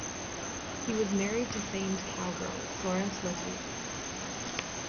He was married to famed cowgirl, Florence LaDue.